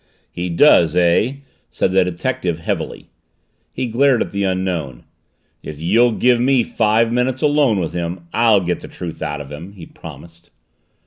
"He does, eh?" said the detective heavily. He glared at the Unknown. "If you'll give me five minutes alone with him, I'll get the truth out of him!" he promised.